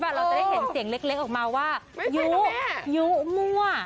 เราจะได้เห็นเสียงเล็กเล็กออกมาว่าไม่ใช่แม่ยูมั่วเออ